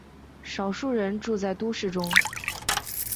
少数人住在都市中。